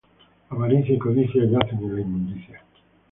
Avaricia y codicia, yacen en la inmundicia